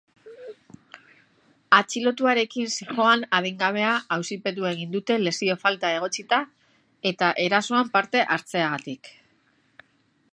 Atxilotuarekin zihoan adingabea auzipetu egin dute lesio falta egotzita eta erasoan parte hartzeagatik.